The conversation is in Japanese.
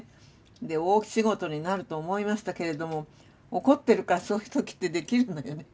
で大仕事になると思いましたけれども怒ってるからそういう時ってできるのよね。